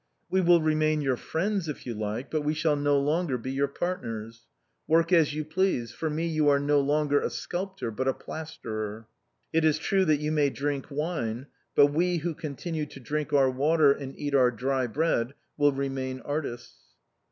We will remain your friends if you like, but we shall no longer be your partners. Work as you please, for me you are no longer a sculptor, but a plasterer. It is true that you may drink wine, but we who continue to drink our water, and eat our dry bread, will remain artists."